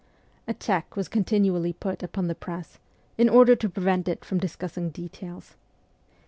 A check was continually put upon the press, in order to prevent it from discussing details.